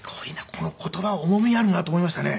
この言葉は重みあるなと思いましたね。